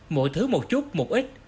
mỗi thứ một chút một ít